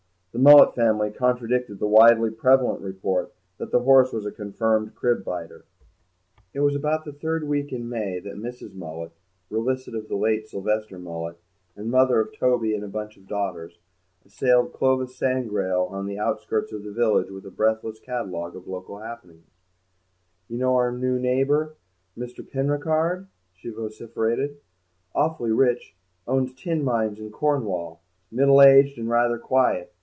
The Mullet family contradicted the widely prevalent report that the horse was a confirmed crib biter. It was about the third week in May that Mrs. Mullet, relict of the late Sylvester Mullet, and mother of Toby and a bunch of daughters, assailed Clovis Sangrail on the outskirts of the village with a breathless catalogue of local happenings. "You know our new neighbour, Mr. Penricarde?" she vociferated; "awfully rich, owns tin mines in Cornwall, middle aged and rather quiet.